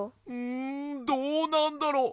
んどうなんだろう。